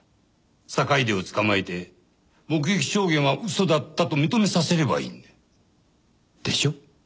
坂出を捕まえて目撃証言は嘘だったと認めさせればいい。でしょ？